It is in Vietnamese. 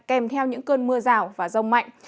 kèm theo những cơn mưa rào và rông mạnh